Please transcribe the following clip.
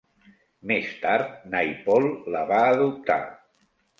Més tard, Naipaul la va adoptar.